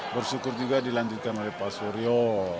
bersyukur juga dilanjutkan oleh pak suryo